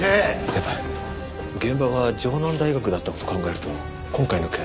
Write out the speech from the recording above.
先輩現場は城南大学だった事を考えると今回の件。